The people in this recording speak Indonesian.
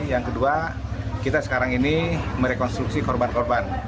yang kedua kita sekarang ini merekonstruksi korban korban